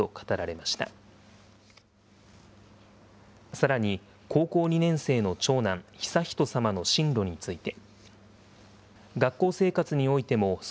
さらに、高校２年生の長男、悠仁さまの進路について。